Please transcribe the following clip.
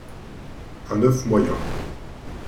Un œuf moyen.